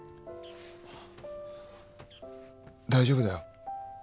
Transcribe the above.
大丈夫だよ。